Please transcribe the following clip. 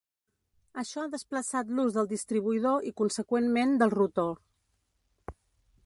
Això ha desplaçat l'ús del distribuïdor i conseqüentment del rotor.